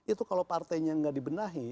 itu kalau partainya nggak dibenahi